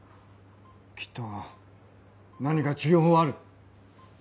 きっと何か治療法はある。